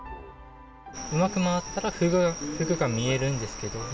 うまく回ったら、フグとかが見えるんですけども。